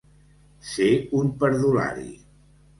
Ser un perdulari.